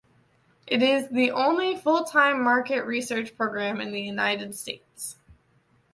It is the only full-time market research program in the United States.